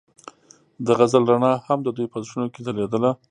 د غزل رڼا هم د دوی په زړونو کې ځلېده.